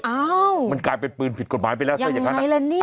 อ้าวมันกลายเป็นปืนผิดกฎหมายไปแล้วเสร็จกรรมอย่างไรละเนี่ย